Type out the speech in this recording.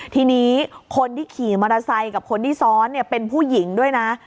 ทีนี้คนที่ขี่มอเตอร์ไซค์กับคนที่ซ้อนเป็นผู้หญิงด้วยนะ